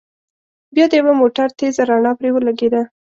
بيا د يوه موټر تېزه رڼا پرې ولګېده.